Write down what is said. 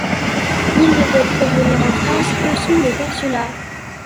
Il ne peut revenir en France que sous le Consulat.